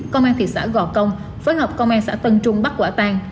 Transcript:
công an thị xã gò công phối hợp công an xã tân trung bắt quả tang